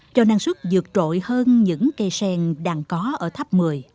cho năng suất dược trội hơn những cây sen đang có ở thấp một mươi